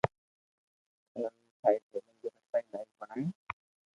ضرورت ناهي. تعليم کي رسائي لائق بڻائڻ